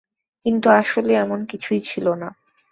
কিন্তু আসলে এমন কিছুই ছিল না।